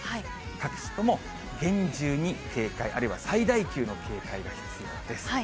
各地とも厳重に警戒、あるいは最大級の警戒が必要です。